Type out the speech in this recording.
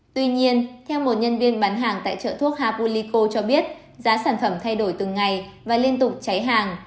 tuy nhiên theo một nhân viên bán hàng tại chợ thuốc hapulico cho biết giá sản phẩm thay đổi từng ngày và liên tục cháy hàng